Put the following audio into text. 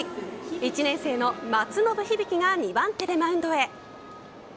１年生の松延響が２番手でマウンドへ。